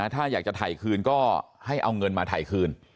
ถ้าอยากจะถ่ายคืนก็ให้เอาเงินมาถ่ายคืน